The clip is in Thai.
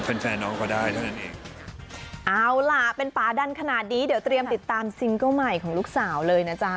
เอาล่ะเป็นป๊าดันขนาดนี้เดี๋ยวเตรียมติดตามซิงเกิ้ลใหม่ของลูกสาวเลยนะจ๊ะ